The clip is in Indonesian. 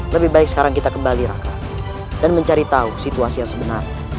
lebih baik sekarang kita kembali raka dan mencari tahu situasi yang sebenarnya